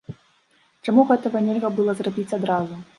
Чаму гэтага нельга было зрабіць адразу?